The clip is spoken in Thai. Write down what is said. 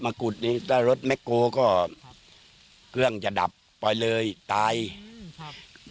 มากุดนี้ถ้ารถแม็คก็เครื่องจะดับปล่อยเลยตายครับ